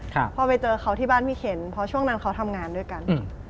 พอไปเจอเขาที่บ้านพี่เข็นเพราะช่วงนั้นเขาทำงานด้วยกัน